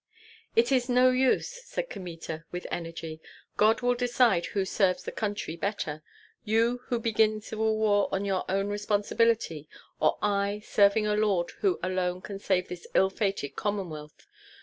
"It is no use," said Kmita, with energy. "God will decide who serves the country better, you who begin civil war on your own responsibility, or I, serving a lord who alone can save this ill fated Commonwealth.